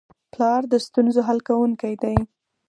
پلار د ستونزو حل کوونکی دی.